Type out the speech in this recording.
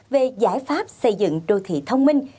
về giải pháp xây dựng đô thị thông minh